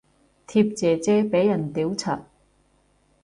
貼姐姐俾人屌柒